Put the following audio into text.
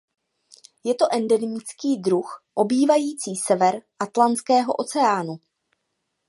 Je to endemický druh obývající sever Atlantského oceánu.